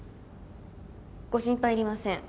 ご心配いりません。